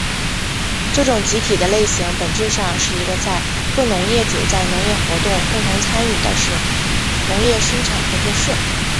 这种集体的类型本质上是一个在各农业主在农业活动共同参与的农业生产合作社。